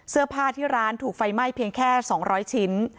เสื้อผ้าที่ร้านถูกไฟไหม้เพียงแค่๒๐๐ชิ้น